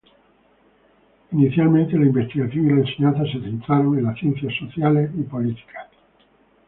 Inicialmente, la investigación y la enseñanza se centraron en las ciencias sociales y políticas.